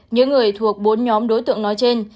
những người thuộc bốn nhóm đối tượng nói trên